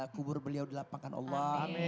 kubur beliau di lapangan allah